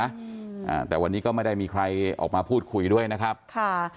อ่าแต่วันนี้ก็ไม่ได้มีใครออกมาพูดคุยด้วยนะครับค่ะ